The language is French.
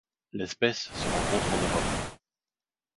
L'espèce se rencontre en Europe.